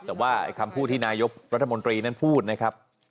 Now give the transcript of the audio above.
แต่ว่าคำพูดที่นายกรัฐมนตรีนั้นพูดนะครับ